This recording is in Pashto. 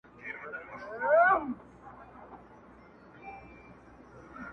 زاهده نن دي وار دی د مستیو، د رقصونو -